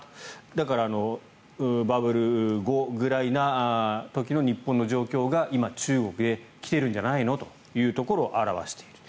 だからバブル後くらいな時の日本の状況が今、中国で来てるんじゃないのというところを表している。